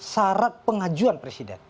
syarat pengajuan presiden